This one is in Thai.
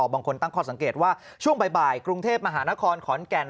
บางคนตั้งข้อสังเกตว่าช่วงบ่ายกรุงเทพมหานครขอนแก่น